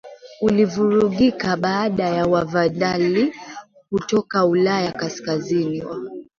ulivurugika baada ya Wavandali kutoka Ulaya Kaskazini